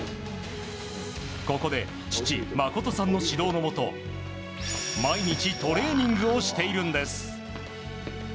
ここで父・誠さんの指導のもと毎日トレーニングをしているんです。